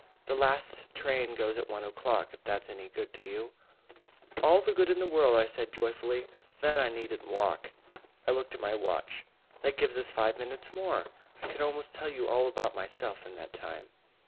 "The last train goes at one o'clock, if that's any good to you." "All the good in the world," I said joyfully. "Then I needn't walk." I looked at my watch. "That gives us five minutes more. I could almost tell you all about myself in that time."